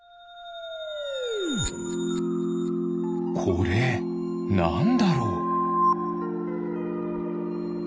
これなんだろう。